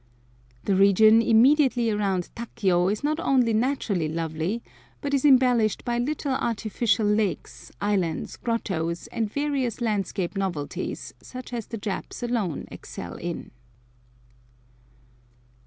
The region immediately around Takio is not only naturally lovely, but is embellished by little artificial lakes, islands, grottoes, and various landscape novelties such as the Japs alone excel in.